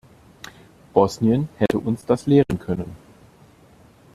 Bosnien hätten uns das lehren können.